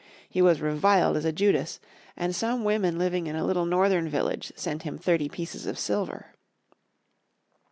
He was reviled as a Judas, and some women living in a little Northern village sent him thirty pieces of silver.